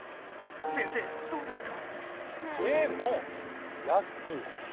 先生どうですか？